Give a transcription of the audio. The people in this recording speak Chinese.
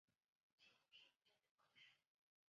卫讯电讯曾成为以下多套电影的赞助商。